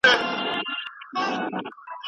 ماغزه؟